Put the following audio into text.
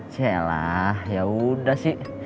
saya lah ya udah sih